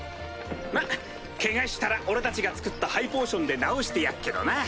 まっケガしたら俺たちが作ったハイポーションで治してやっけどな！